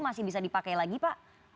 masih bisa dipakai lagi pak